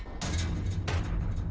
kok bisa gerak sendiri sih